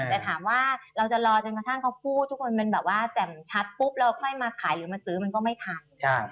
แต่ถามว่าเราจะรอจนกระทั่งเขาพูดทุกคนเป็นแบบว่าแจ่มชัดปุ๊บเราค่อยมาขายหรือมาซื้อมันก็ไม่ทัน